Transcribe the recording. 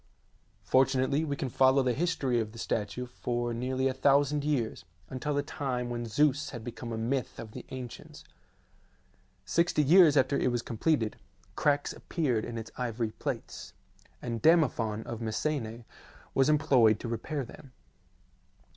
Fortunately we can follow the history of the statue for nearly a thousand years, until the time when Zeus had become a myth of the ancients. Sixty years after it was completed, cracks appeared in its ivory plates, and Damophon of Messene was employed to repair them.